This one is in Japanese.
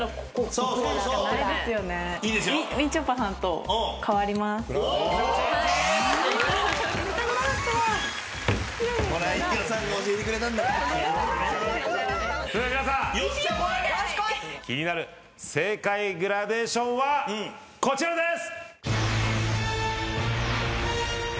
それでは皆さん気になる正解グラデーションはこちらです！